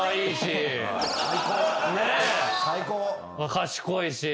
賢いし。